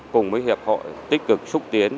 cùng với hiệp hội tích cực xúc tiến